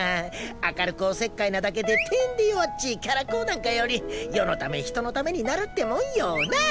明るくおせっかいなだけでてんで弱っちいキャラ公なんかより世のため人のためになるってもんよ。なあ？